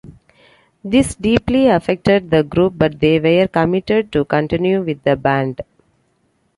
This deeply affected the group, but they were committed to continue with the band.